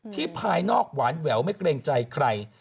ภายนอกหวานแหววไม่เกรงใจใคร